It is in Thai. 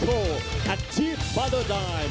สวัสดีทุกคน